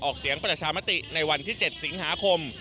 เสียงประชามติในวันที่๗สิงหาคม